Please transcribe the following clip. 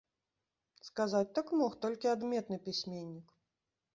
Сказаць так мог толькі адметны пісьменнік.